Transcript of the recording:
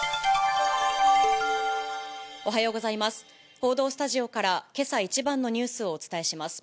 報道スタジオからけさ一番のニュースをお伝えします。